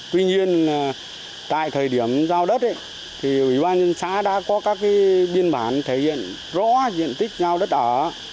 tuy nhiên tại thời điểm giao đất thì ủy ban nhân xã đã có các biên bản thể hiện rõ diện tích giao đất ở